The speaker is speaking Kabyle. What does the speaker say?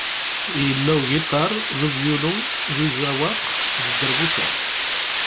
Yella ugiṭar d uvyulu, d ujawaq d dderbuka.